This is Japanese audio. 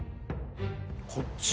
こっち？